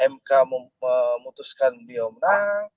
mk memutuskan beliau menang